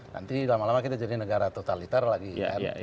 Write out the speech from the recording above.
nanti lama lama kita jadi negara totalitar lagi kan